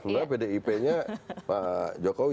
sebenarnya pdip nya pak jokowi